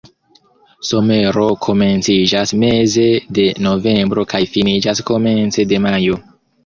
Somero komenciĝas meze de novembro kaj finiĝas komence de majo.